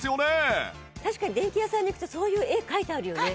確かに電気屋さんに行くとそういう絵描いてあるよね。